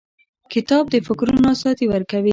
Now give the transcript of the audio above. کتاب د فکرونو ازادي ورکوي.